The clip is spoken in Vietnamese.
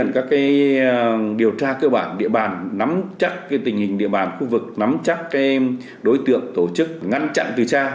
các điều tra cơ bản địa bàn nắm chắc tình hình địa bàn khu vực nắm chắc đối tượng tổ chức ngăn chặn từ xa